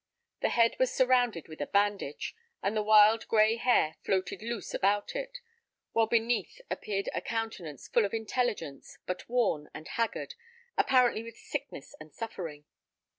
The head was surrounded with a bandage, and the wild gray hair floated loose about it; while beneath appeared a countenance full of intelligence, but worn and haggard, apparently with sickness and suffering.